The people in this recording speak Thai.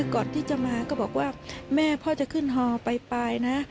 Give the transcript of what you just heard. ก่อนที่จะมาก็บอกว่าแม่พ่อจะขึ้นฮอไปนะ